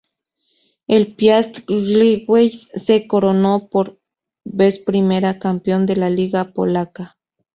El Piast Gliwice se coronó por vez primera campeón de la Liga Polaca.